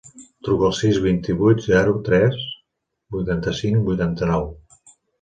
Truca al sis, vint-i-vuit, zero, tres, vuitanta-cinc, vuitanta-nou.